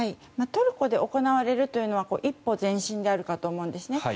トルコで行われるというのは一歩前進であるかと思うんですね。